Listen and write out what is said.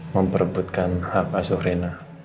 memperebutkan hak askarena